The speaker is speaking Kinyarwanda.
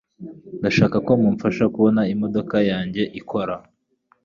Ndashaka ko mumfasha kubona imodoka yanjye ikora.